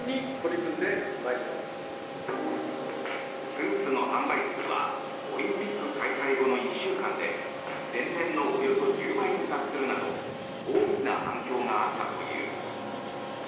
スーツの販売数はオリンピック開催後の１週間で前年のおよそ１０倍に達するなど大きな反響があったという。